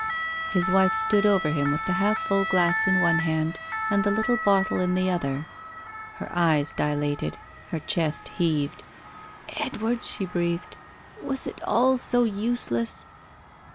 His wife stood over him with the half full glass in one hand and the little bottle in the other. Her eyes dilated ... her chest heaved. ..." Edward !" she breathed. " Was it all so useless